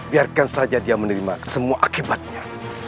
biarkan saja dia menerima semua akibatnya